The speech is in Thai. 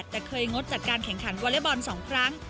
แต่เคยงดจัดการแข่งขันวอเล็กบอล๒ครั้ง